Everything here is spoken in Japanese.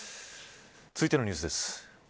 続いてのニュースです。